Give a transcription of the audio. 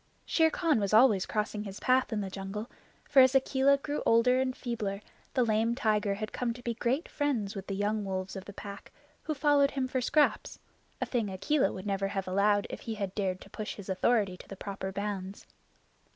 Shere Khan was always crossing his path in the jungle, for as Akela grew older and feebler the lame tiger had come to be great friends with the younger wolves of the Pack, who followed him for scraps, a thing Akela would never have allowed if he had dared to push his authority to the proper bounds.